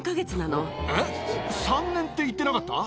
３年って言ってなかった？